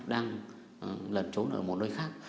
đang lần trốn ở một nơi khác